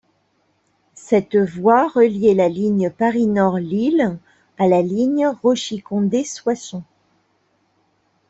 Cette voie reliait la ligne Paris-Nord - Lille à la ligne Rochy-Condé - Soissons.